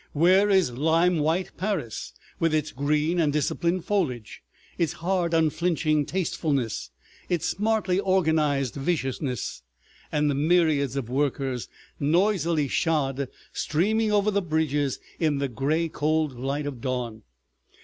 Where is lime white Paris, with its green and disciplined foliage, its hard unflinching tastefulness, its smartly organized viciousness, and the myriads of workers, noisily shod, streaming over the bridges in the gray cold light of dawn.